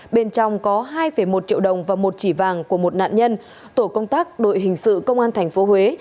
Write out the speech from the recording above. bên trong có hai một triệu đồng và một chỉ vàng của một nạn nhân tổ công tác đội hình sự công an tp huế